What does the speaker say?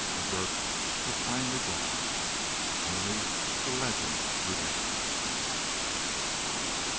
McGurk was finally gone. Only the legend remained.